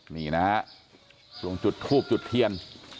นี่นะครับจุดทูปจุดเทียน